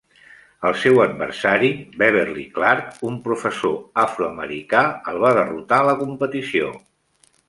El seu adversari, Beverly Clark, un professor afroamericà, el va derrotar a la competició.